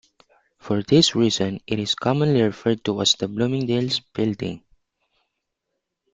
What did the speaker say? For this reason, it is commonly referred to as the "Bloomingdale's Building".